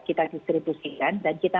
kita distribusikan dan kita